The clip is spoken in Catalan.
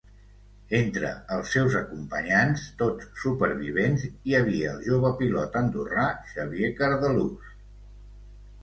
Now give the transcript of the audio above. Entre els seus acompanyants, tots supervivents, hi havia el jove pilot andorrà Xavier Cardelús.